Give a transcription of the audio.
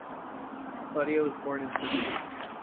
Claudia was born in Sicily.